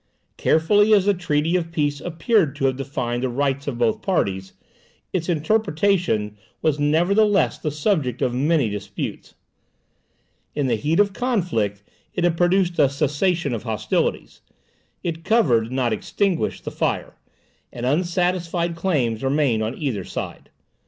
Carefully as the treaty of peace appeared to have defined the rights of both parties, its interpretation was nevertheless the subject of many disputes. In the heat of conflict it had produced a cessation of hostilities; it covered, not extinguished, the fire, and unsatisfied claims remained on either side.